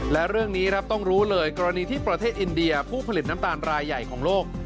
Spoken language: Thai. และเรื่องนี้ครับต้องรู้เลยกรณีที่ประเทศอินเดียผู้ผลิตน้ำตาลรายใหญ่ของโลก